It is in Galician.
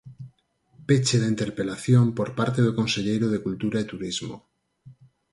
Peche da interpelación por parte do conselleiro de Cultura e Turismo.